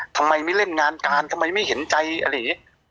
ทำไมไม่เล่นงานการทำไมไม่เห็นใจอะไรอย่างนี้